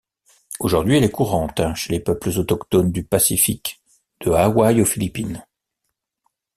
Aujourd’hui, elle est courante chez les peuples autochtones du Pacifique, de Hawaï aux Philippines.